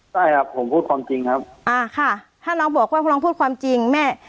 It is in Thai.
ใช่ครับผมพูดความจริงครับอ่าค่ะถ้าน้องบอกว่าพวกน้องพูดความจริงแม่